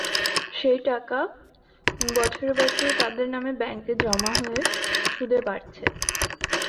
সেই টাকা বছরে বছরে তাঁদের নামে ব্যাঙ্কে জমা হয়ে সুদে বাড়ছে।